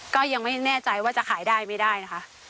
ก็ยังไม่แน่ใจว่าจะขายได้ไม่ได้นะคะ